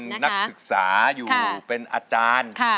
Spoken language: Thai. เช่นเป็นนักศึกษาอยู่ค่ะเป็นอาจารย์ค่ะ